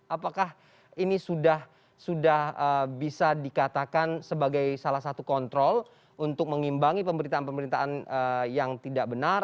apakah ini sudah bisa dikatakan sebagai salah satu kontrol untuk mengimbangi pemberitaan pemberitaan yang tidak benar